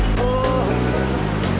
jalan jalan men